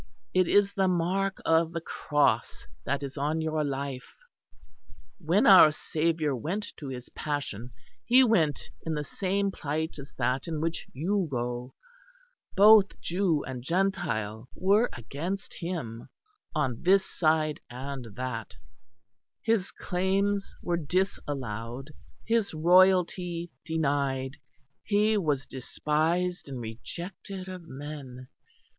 It is the mark of the cross that is on your life. When our Saviour went to his passion, he went in the same plight as that in which you go; both Jew and Gentile were against him on this side and that; his claims were disallowed, his royalty denied; he was despised and rejected of men.